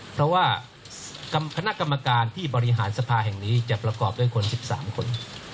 เพราะว่าคณะกรรมการที่บริหารสภาแห่งนี้จะประกอบด้วยคน๑๓คน